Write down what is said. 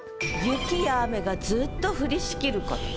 雪や雨がずっと降りしきること。